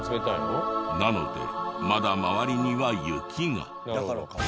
なのでまだ周りには雪が。